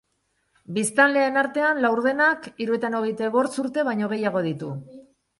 Biztanleen artean laurdenak hirurogeita bost urte baino gehiago ditu.